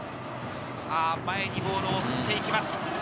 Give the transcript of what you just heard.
前にボールを取っていきます。